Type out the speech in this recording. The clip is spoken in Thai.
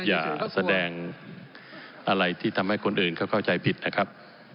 อย่าแสดงอะไรที่ทำให้คนอื่นเขาเข้าใจผิดนะครับ